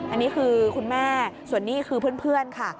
อันนี้คือคุณแม่ส่วนนี้คือเพื่อนค่ะ